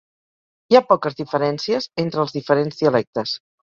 Hi ha poques diferències entre els diferents dialectes.